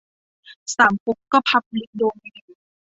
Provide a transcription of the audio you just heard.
สามก๊ก ก็พับลิกโดเมน